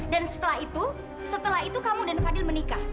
dan setelah itu setelah itu kamu dan fadil menikah